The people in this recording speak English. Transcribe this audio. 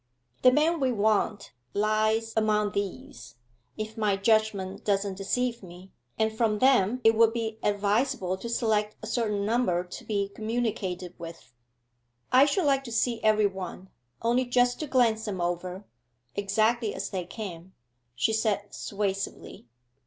'The man we want lies among these, if my judgment doesn't deceive me, and from them it would be advisable to select a certain number to be communicated with.' 'I should like to see every one only just to glance them over exactly as they came,' she said suasively.